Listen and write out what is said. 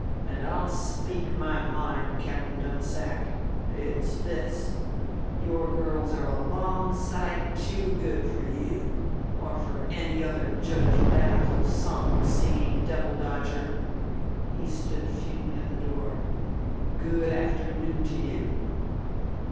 "And I'll speak my mind, Captain Dunsack; it's this your girls are a long sight too good for you or for any other judgmatical, psalm singing devil dodger." He stood fuming at the door. "Good afternoon to you."